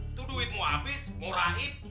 itu duit mau abis mau raib